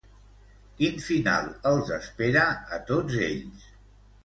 Quin final els espera a tots ells?